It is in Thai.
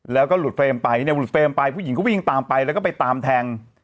แล้วก็หลุดเฟรมไปเนี่ยหลุดเฟรมไปผู้หญิงก็วิ่งตามไปแล้วก็ไปตามแทง